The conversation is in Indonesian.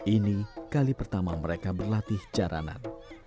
ini kali pertama mereka berlatih jaranan